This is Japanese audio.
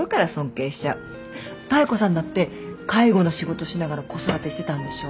妙子さんだって介護の仕事しながら子育てしてたんでしょ？